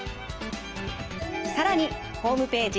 更にホームページ